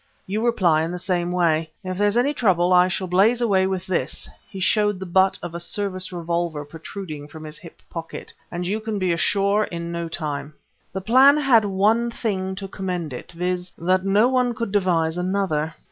You reply in the same way. If there's any trouble, I shall blaze away with this" he showed the butt of a Service revolver protruding from his hip pocket "and you can be ashore in no time." The plan had one thing to commend it, viz., that no one could devise another.